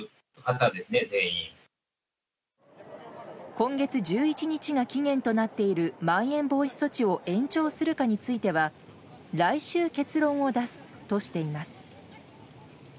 今月１１日が期限となっているまん延防止措置を延長するかについては来週、結論を出すとしています。